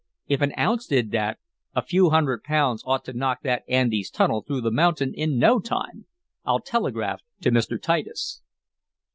If an ounce did that, a few hundred pounds ought to knock that Andes tunnel through the mountain in no time. I'll telegraph to Mr. Titus."